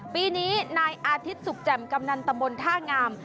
ปีนี้นายอาทิตย์สุขแจ่มกำนันตำบลท่างาม